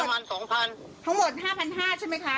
เออทั้งหมดสองพันทั้งหมดห้าพันห้าใช่ไหมคะ